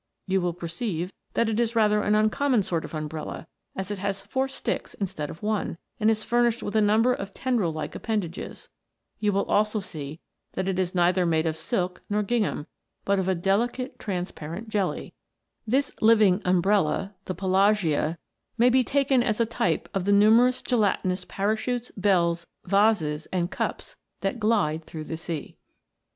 You will perceive, that it is rather an un common sort of umbrella, as it has four sticks instead of one, and is furnished with a number of tendril like appendages. You will also see that it is neither made of silk nor gingham, but of a deli * The Cuttle. THE MERMAID'S HOME. 119 cate transparent jelly.* This living umbrella may be taken as a type of the numerous gelatinous parachutes, bells, vases, and cups that glide through the sea.